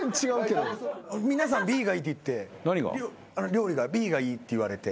料理がＢがいいって言われて。